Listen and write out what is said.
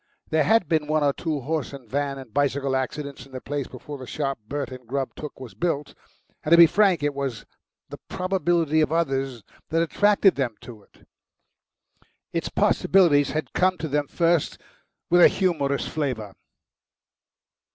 There had been one or two horse and van and bicycle accidents in the place before the shop Bert and Grubb took was built, and, to be frank, it was the probability of others that attracted them to it. Its possibilities had come to them first with a humorous flavour.